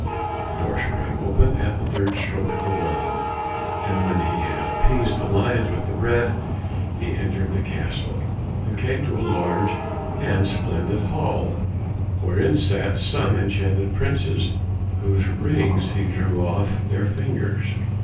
The door sprang open at the third stroke of the wand, and when he had appeased the lions with the bread, he entered the castle, and came to a large and splendid hall, wherein sat some enchanted princes whose rings he drew off their fingers.